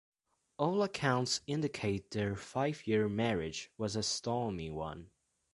All accounts indicate their five-year marriage was a stormy one.